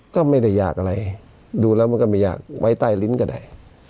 ก็ไม่ได้อยากอะไรดูแล้วมันก็ไม่อยากไว้ใต้ลิ้นก็ได้